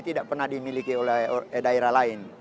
tidak pernah dimiliki oleh daerah lain